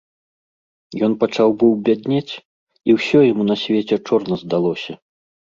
Ён пачаў быў бяднець, і ўсё яму на свеце чорна здалося.